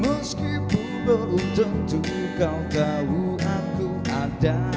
meskipun baru tentu kau tahu aku ada